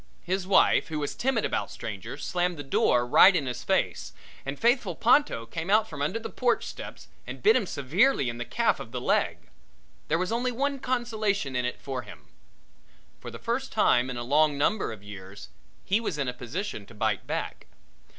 His wife who was timid about strangers, slammed the door right in his face and faithful Ponto came out from under the porch steps and bit him severely in the calf of the leg. There was only one consolation in it for him for the first time in a long number of years he was in position to bite back.